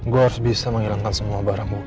gue harus bisa menghilangkan semua barang bukti